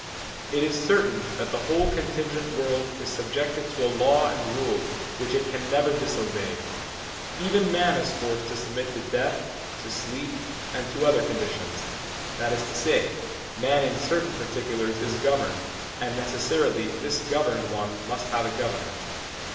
It is certain that the whole contingent world is subjected to a law and rule which it can never disobey; even man is forced to submit to death, to sleep, and to other conditions, that is to say, man in certain particulars is governed, and necessarily this governed one must have a governor.